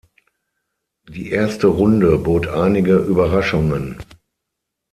Die erste Runde bot einige Überraschungen.